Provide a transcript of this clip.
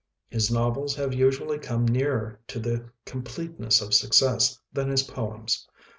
His novels have usually come nearer to the completeness of success than his poems.